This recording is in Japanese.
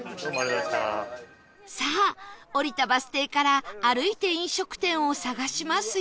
さあ降りたバス停から歩いて飲食店を探しますよ